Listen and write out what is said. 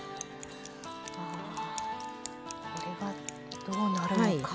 あこれがどうなるのか。